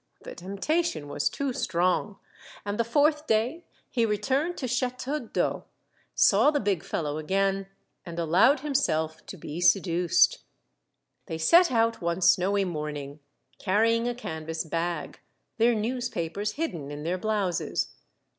The temptation was too strong ; and the fourth day he returned to Chateau d'Eau, saw the big fellow again, and allowed himself to be seduced. They set out one snowy morning, carrying a canvas bag, their newspapers hidden in their blouses.